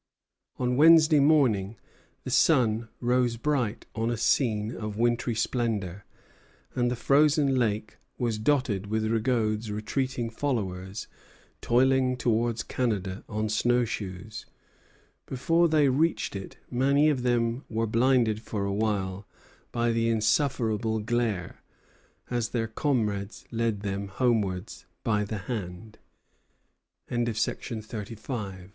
On Wednesday morning the sun rose bright on a scene of wintry splendor, and the frozen lake was dotted with Rigaud's retreating followers toiling towards Canada on snow shoes. Before they reached it many of them were blinded for a while by the insufferable glare, and their comrades led them homewards by the hand. Eyre to Loudon, 24